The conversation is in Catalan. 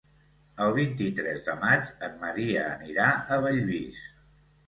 El vint-i-tres de maig en Maria anirà a Bellvís.